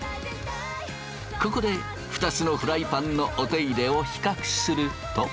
ここで２つのフライパンのお手入れを比較すると。